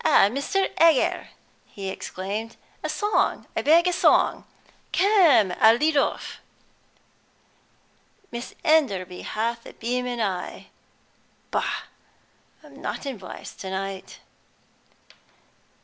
"Mr. Egger," he exclaimed, "a song; I beg, a song. Come, I'll lead off. 'Miss Enderby hath a beaming eye' Bah! I'm not in voice to night."